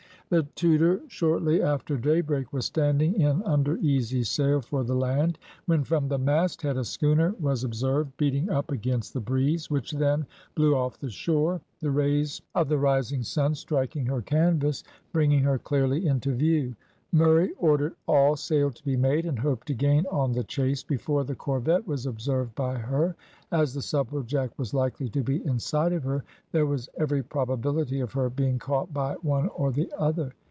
The Tudor shortly after daybreak was standing in under easy sail for the land, when from the masthead a schooner was observed, beating up against the breeze, which then blew off the shore, the rays of the rising run striking her canvas bringing her clearly into view. Murray ordered all sail to be made, and hoped to gain on the chase before the corvette was observed by her. As the Supplejack was likely to be inside of her, there was every probability of her being caught by one or the other.